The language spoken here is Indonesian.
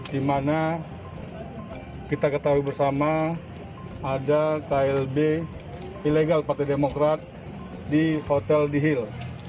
di mana kita ketahui bersama ada klb ilegal partai demokrat di hotel di hill